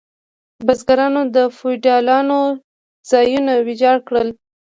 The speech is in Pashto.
بزګرانو د فیوډالانو ځایونه ویجاړ کړل.